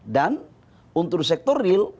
dan untuk sektor real